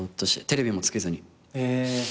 テレビもつけずに。